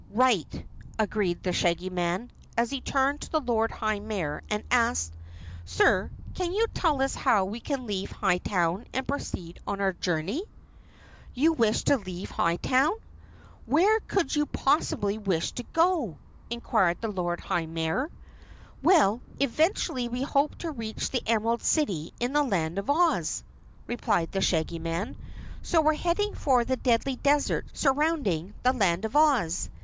"Right," agreed the Shaggy Man, as he turned to the Lord High Mayor and asked: "Sir, can you tell us how we can leave Hightown and proceed on our journey?" "You wish to leave Hightown? Where could you possibly wish to go?" inquired the Lord High Mayor. "Well, eventually we hope to reach the Emerald City in the Land of Oz," replied the Shaggy Man, "so we're heading for the Deadly Desert surrounding the Land of Oz.